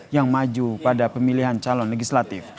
yang maju pada pemilihan calon legislatif